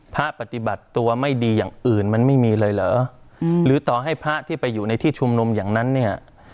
ปฏิบัติตัวไม่ดีอย่างอื่นมันไม่มีเลยเหรอหรือต่อให้พระที่ไปอยู่ในที่ชุมนุมอย่างนั้นเนี่ย